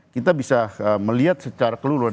kita bisa melihat secara keluru